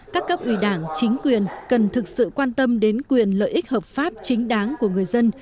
các cấp ủy đảng chính quyền cần thực sự quan tâm đến quyền lợi ích hợp pháp chính đáng của người dân